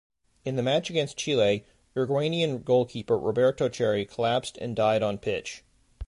In the match against Chile, Uruguayan goalkeeper Roberto Chery collapsed and died on pitch.